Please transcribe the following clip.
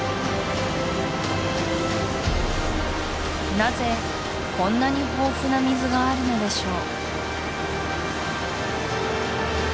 なぜこんなに豊富な水があるのでしょう？